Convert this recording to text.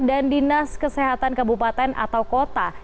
dan dinas kesehatan kabupaten atau kota